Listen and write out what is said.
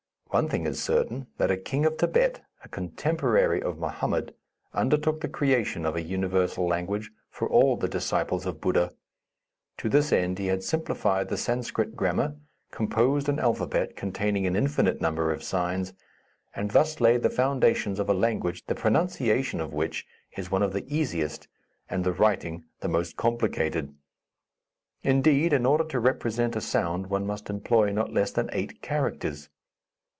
One thing is certain, that a king of Thibet, a contemporary of Mohammed, undertook the creation of an universal language for all the disciples of Buddha. To this end he had simplified the Sanscrit grammar, composed an alphabet containing an infinite number of signs, and thus laid the foundations of a language the pronunciation of which is one of the easiest and the writing the most complicated. Indeed, in order to represent a sound one must employ not less than eight characters.